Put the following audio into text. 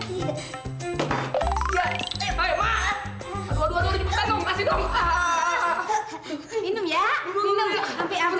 senang ada teman teman